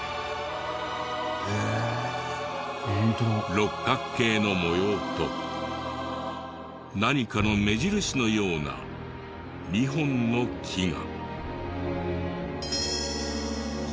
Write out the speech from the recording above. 六角形の模様と何かの目印のような２本の木が。